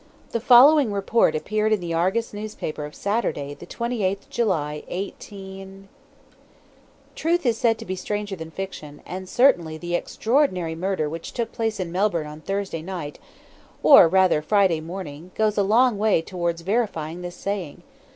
The following report appeared in the Argus newspaper of Saturday, the 28th July, 18 "Truth is said to be stranger than fiction, and certainly the extraordinary murder which took place in Melbourne on Thursday night, or rather Friday morning, goes a long way towards verifying this saying.